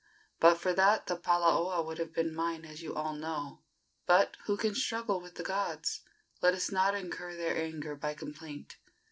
"But for that the palaoa would have been mine, as you all know. But who can struggle with the gods? Let us not incur their anger by complaint."